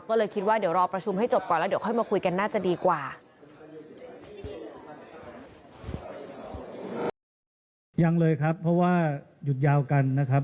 ก็ยังคงเชื่อมั่นอยู่ว่าถ้าแปดพักจับมือกันแน่นพอการจัดตั้งรัฐบาลจะเกิดขึ้นได้ยากหรือง่ายลองไปฟังนะครับ